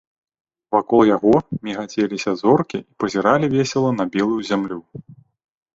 Вакол яго мігацеліся зоркі і пазіралі весела на белую зямлю.